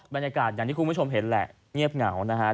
บรรยากาศอย่างที่คุณผู้ชมเห็นแหละเงียบเหงานะครับ